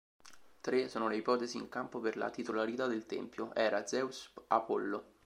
Tre sono le ipotesi in campo per la titolarità del tempio: Hera, Zeus, Apollo.